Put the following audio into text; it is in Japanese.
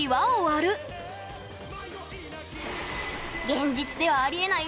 現実ではありえない